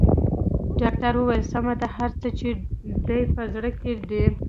ډاکټر وويل سمه ده هر څه چې دې په زړه کې دي.